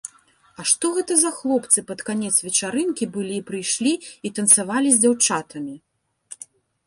А што гэта за хлопцы пад канец вечарынкі былі прыйшлі і танцавалі з дзяўчатамі?